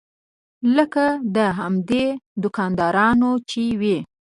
لکه د همدې دوکاندارانو چې وي.